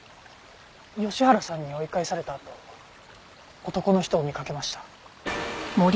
吉原さんに追い返されたあと男の人を見かけました。